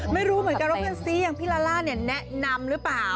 ไม่รู้เหมือนกันพี่ลาล่าแนะนำหรือเปล่า